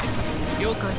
了解。